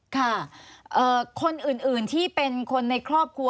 ค่ะคนอื่นที่เป็นคนในครอบครัว